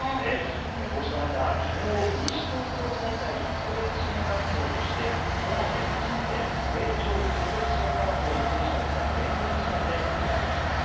こうした中、きのう西東京大会に特別支援学校として都内で初めて青鳥特別支援学校の選手たちが連合チームで出場しました。